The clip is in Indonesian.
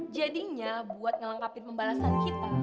jadinya buat ngelengkapin pembalasan kita